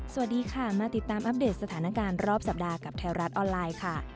สวัสดีค่ะมาติดตามอัปเดตสถานการณ์รอบสัปดาห์กับไทยรัฐออนไลน์ค่ะ